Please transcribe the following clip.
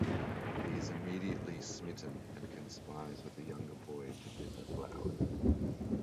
He is immediately smitten and conspires with a younger boy to give her flowers.